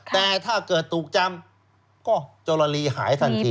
แต่ถ้าเกิดถูกจำก็โจรลีหายทันที